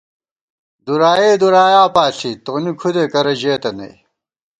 دُرائےدُرایا پاݪی ، تونی کھُدے کرہ ژېتہ نئ